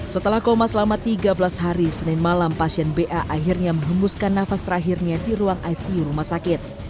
setelah koma selama tiga belas hari senin malam pasien ba akhirnya menghembuskan nafas terakhirnya di ruang icu rumah sakit